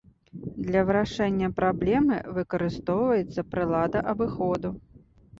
Для вырашэння праблемы выкарыстоўваецца прылада абыходу.